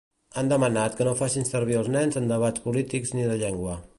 Han demanat que no facin servir els nens en debats polítics ni de llengua.